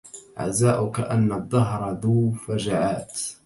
عزاؤك أن الدهر ذو فجعات